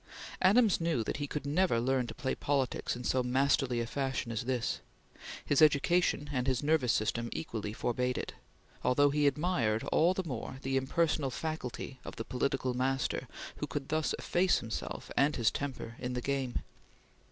Adams knew that he could never learn to play politics in so masterly a fashion as this: his education and his nervous system equally forbade it, although he admired all the more the impersonal faculty of the political master who could thus efface himself and his temper in the game.